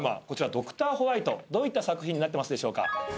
こちら『ドクターホワイト』どういった作品になってますか？